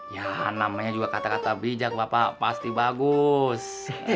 ya namanya juga kata kata bijak bapak pasti bagus